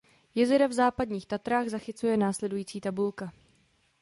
Jezera v Západních Tatrách zachycuje následující tabulka.